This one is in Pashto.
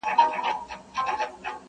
د دوی هم د پاچهۍ ویني تودې سوې!